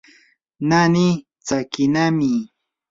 naani tsakinami.